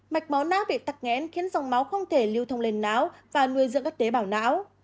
mạch máu nát bị tặc nghén khiến dòng máu không thể lưu thông lên não và nuôi dưỡng các tế bảo não